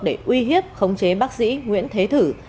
để uy hiếp khống chế bác sĩ nguyễn thế thử